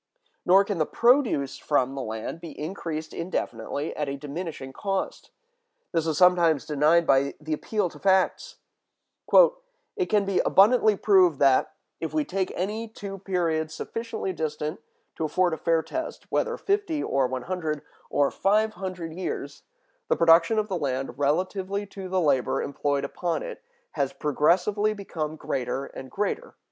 Nor can the produce from the land be increased indefinitely at a diminishing cost. This is sometimes denied by the appeal to facts: "It can be abundantly proved that, if we take any two periods sufficiently distant to afford a fair test, whether fifty or one hundred or five hundred years, the production of the land relatively to the labor employed upon it has progressively become greater and greater."